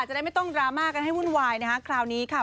จะได้ไม่ต้องดราม่ากันให้วุ่นวายนะคะคราวนี้ค่ะ